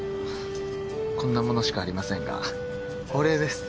こんなものしかありませんがお礼です。